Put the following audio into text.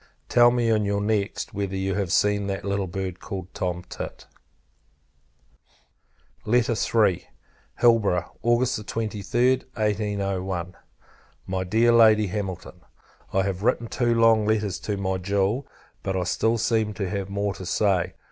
Tell me, in your next, whether you have seen that little bird, called Tom Tit. III. Hilborough, August 23d, 1801. MY DEAR LADY HAMILTON, I have written two long letters to my jewel, but I still seem to have more to say.